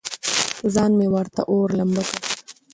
ځان مې ورته اور، لمبه کړ.